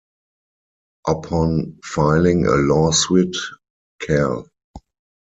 Upon filing a lawsuit, Cal.